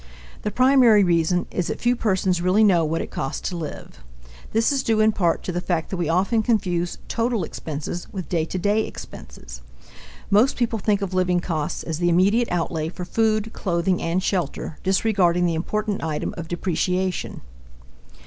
The primary reason is that few persons really know what it costs to live. This is due, in part, to the fact that we often confuse total expenses with day to day expenses. Most people think of living costs as the immediate outlay for food, clothing, and shelter, disregarding the important item of depreciation.